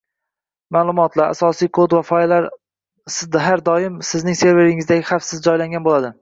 Ma’lumotlar, asos kod va fayllar har doim sizning serveringizda xavfsiz joylangan bo’ladi